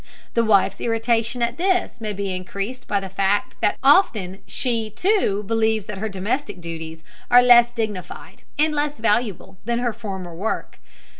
The wife's irritation at this may be increased by the fact that often she, too, believes that her domestic duties are less dignified and less valuable than her former work.